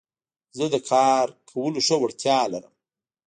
زه د کار کولو ښه وړتيا لرم.